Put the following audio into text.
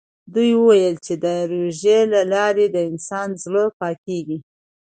ده وویل چې د روژې له لارې د انسان زړه پاکېږي.